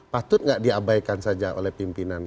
patut nggak diabaikan saja oleh pimpinan